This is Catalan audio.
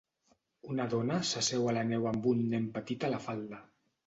Una dona s'asseu a la neu amb un nen petit a la falda.